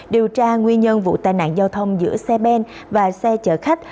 điều tra nguyên nhân vụ tai nạn giao thông giữa xe ben và xe chở khách